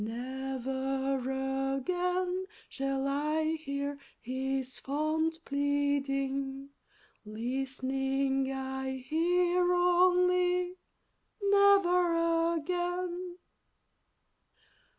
Never again shall I hear his fond pleading, Listening I hear only "Never again!"